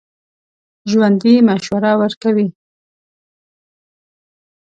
ژوندي مشوره ورکوي